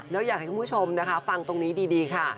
แล้วอยากให้คุณผู้ชมนะคะฟังตรงนี้ดีค่ะ